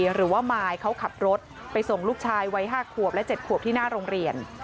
หรือว่ามายเขาขับรถไปส่งลูกชายวัย๕ขวบและ๗ขวบที่หน้าโรงเรียน